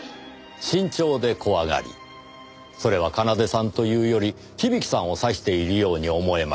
慎重で怖がりそれは奏さんというより響さんを指しているように思えました。